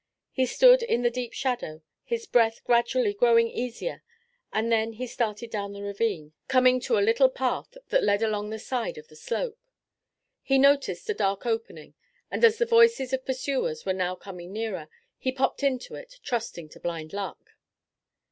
He stood in the deep shadow, his breath gradually growing easier, and then he started down the ravine, coming to a little path that led along the side of the slope. He noticed a dark opening, and as the voices of pursuers were now coming nearer, he popped into it, trusting to blind luck.